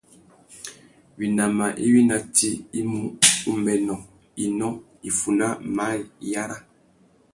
Winama iwí ná tsi i mú: umbênô, inó, iffuná, maye, iyara.